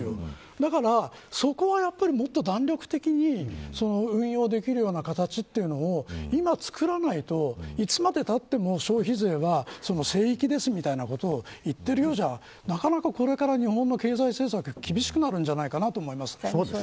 だからそこはやっぱり弾力的に運用できるような形というのを今作らないといつまでたっても消費税は聖域です、みたいなことを言っているようじゃ、なかなかこれから日本の経済政策は厳しくなるじゃないかなと思います。